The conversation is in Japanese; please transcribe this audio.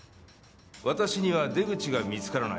「私には出口が見つからない」